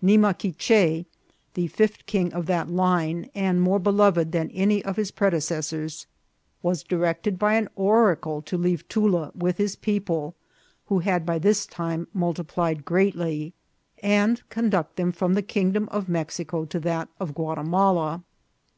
Ni maquiche, the fifth king of that line, and more beloved than any of his predecessors, was directed by an oracle to leave Tula, with his people, who had by this time multiplied greatly, and conduct them from the kingdom of Mexico to that of Guatimala.